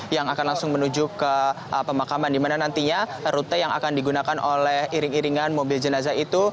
yang akan langsung menuju ke pemakaman dimana nantinya rute yang akan digunakan oleh iring iringan mobil jenazah itu